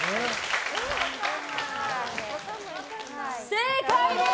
正解です！